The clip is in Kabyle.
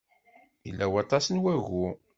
Yella waṭas n wagu.